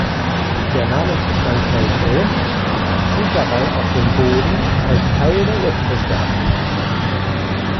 Der Namensbestandteil "Grund" zielt dabei auf den Boden, als Teil der Erdkruste, ab.